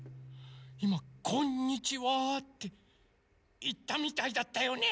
いま「こんにちは」っていったみたいだったよね。